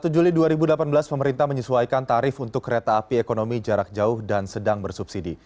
satu juli dua ribu delapan belas pemerintah menyesuaikan tarif untuk kereta api ekonomi jarak jauh dan sedang bersubsidi